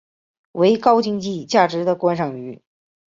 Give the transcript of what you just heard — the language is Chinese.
为高经济价值的观赏鱼。